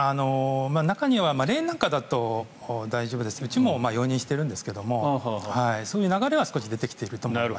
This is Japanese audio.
中には、霊園なんかだと大丈夫ですがうちも容認しているんですがそういう流れは少し出てきていると思います。